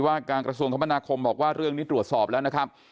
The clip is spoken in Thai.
การกระทรวงคมนาคมบอกว่าเรื่องนี้ตรวจสอบแล้วนะครับ